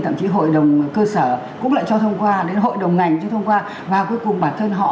thậm chí hội đồng cơ sở cũng lại cho thông qua đến hội đồng ngành chứ thông qua và cuối cùng bản thân họ